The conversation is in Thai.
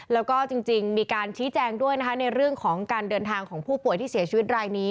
แล้วก็จริงมีการชี้แจงด้วยนะคะในเรื่องของการเดินทางของผู้ป่วยที่เสียชีวิตรายนี้